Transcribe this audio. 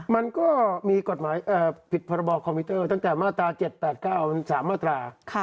มันก็มีกฎหมายผิดพรบคอมพิวเตอร์ตั้งแต่มาตรา๗๘๙๓มาตรา